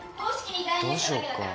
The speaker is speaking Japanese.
どうしようか？